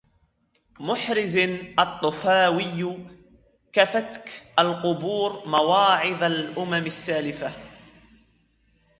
مُحْرِزٍ الطُّفَاوِيُّ كَفَتْك الْقُبُورُ مَوَاعِظَ الْأُمَمِ السَّالِفَةِ